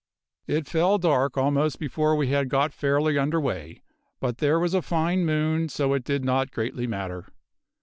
"It fell dark almost before we had got fairly under way, but there was a fine moon, so it did not greatly matter.